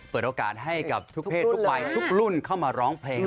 เปิดโอกาสให้กับทุกเพศทุกวัยทุกรุ่นเข้ามาร้องเพลง